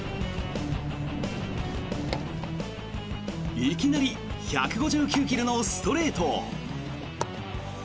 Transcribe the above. いきなり１５９ｋｍのストレート。